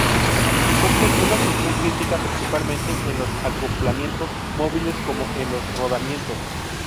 Cumplen una función crítica principalmente en los acoplamientos móviles como en los rodamientos.